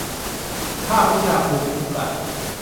ภาควิชาภูมิคุ้มกัน